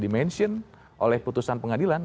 dimention oleh putusan pengadilan